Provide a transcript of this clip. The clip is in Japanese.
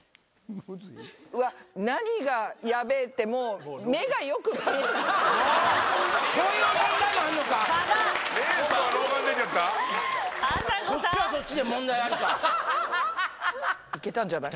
うわっ、何がやべーってもう、目がよく見えない。